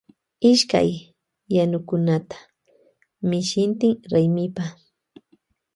Ishkay yanukunata mishitin raymipa.